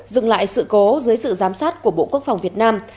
dừng lại sự cố dưới sự giám sát của bộ quốc phòng việt nam